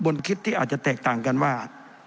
คิดที่อาจจะแตกต่างกันว่า